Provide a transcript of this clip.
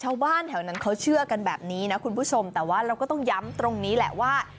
ชาวบ้านแถวนั้นเขาเชื่อกันแบบนี้นะคุณผู้ชมแต่ว่าเราก็ต้องย้ำตรงนี้แหละว่า